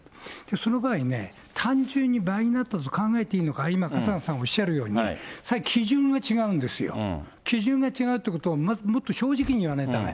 その場合にね、単純に倍になったと考えていいのか、今、春日さんおっしゃるように、それは基準が違うんですよ、基準が違うということをもっと正直に言わないとだめ。